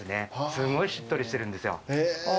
すごいしっとりしてるんですよ。